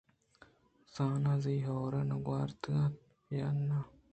زاناں زی ھور ءَ گْوارتگ اَت یا اِنّا؟